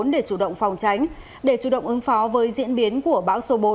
để chủ động phòng tránh để chủ động ứng phó với diễn biến của bão số bốn